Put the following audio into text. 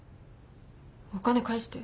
お金返して。